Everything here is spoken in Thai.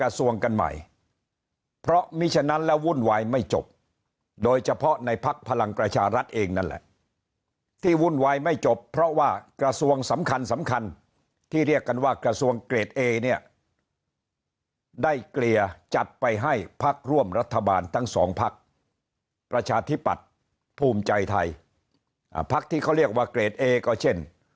กระทรวงกันใหม่เพราะมิฉะนั้นแล้ววุ่นวายไม่จบโดยเฉพาะในพักพลังประชารัฐเองนั่นแหละที่วุ่นวายไม่จบเพราะว่ากระทรวงสำคัญสำคัญที่เรียกกันว่ากระทรวงเกรดเอเนี่ยได้เกลี่ยจัดไปให้พักร่วมรัฐบาลทั้งสองพักประชาธิปัตย์ภูมิใจไทยพักที่เขาเรียกว่าเกรดเอก็เช่น